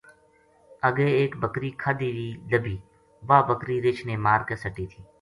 اَگے ایک بکری کھادی وی لَبھی واہ بکری رِچھ نے مار کے سَٹی تھی